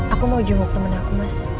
aku mau jenggok temen aku mas